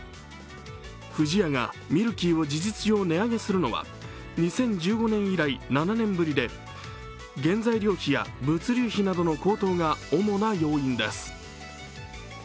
不二家がミルキーを事実上値上げするのは２０１５年以来、７年ぶりで原材料費や物流費などの高騰が主な要因です。